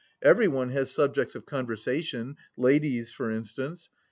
Everyone has subjects of conversation, ladies for instance...